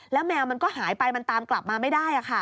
แล้วแมวมันก็หายไปมันตามกลับมาไม่ได้